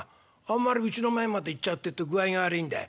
あんまりうちの前まで行っちゃうってえと具合が悪いんだ。